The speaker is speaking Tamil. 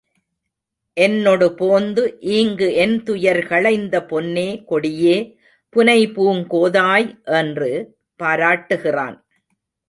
என்னொடு போந்து ஈங்கு என்துயர் களைந்த பொன்னே கொடியே புனைபூங் கோதாய் என்று பாராட்டுகிறான்.